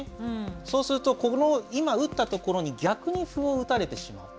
そうするとこの今打ったところに逆に歩を打たれてしまう。